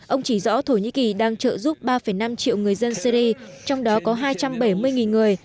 ông chỉ rõ thổ nhĩ kỳ đang trợ giúp ba năm triệu người dân syri trong đó có hai trăm bảy mươi người